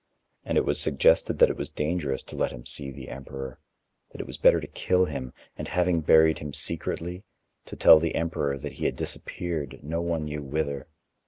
And it was suggested that it was dangerous to let him see the emperor, that it was better to kill him and, having buried him secretly, to tell the emperor that he had disappeared no one knew whither.